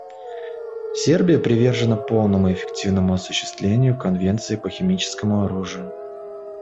Сербия привержена полному и эффективному осуществлению Конвенции по химическому оружию.